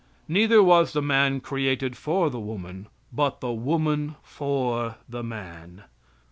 Neither was the man created for the woman, but the woman for the man."